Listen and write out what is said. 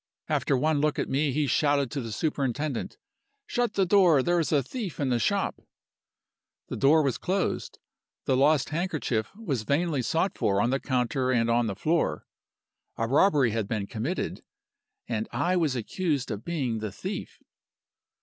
After one look at me he shouted to the superintendent: 'Shut the door! There is a thief in the shop!' "The door was closed; the lost handkerchief was vainly sought for on the counter and on the floor. A robbery had been committed; and I was accused of being the thief.